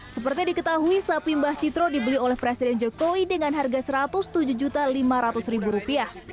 seperti diketahui sapi mbah citro dibeli oleh presiden jokowi dengan harga rp satu ratus tujuh lima ratus